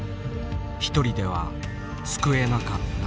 一人では救えなかった。